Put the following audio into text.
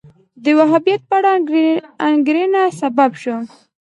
د وهابیت په اړه انګېرنه سبب شو